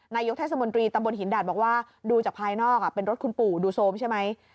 นายกเทศมนตรีตำบลหินดาดบอกว่าดูจากภายนอกเป็นรถคุณปู่ดูโซมใช่ไหม